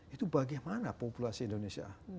itu bagaimana populasi indonesia